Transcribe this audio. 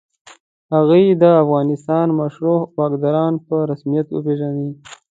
هغوی دې د افغانستان مشروع واکداران په رسمیت وپېژني.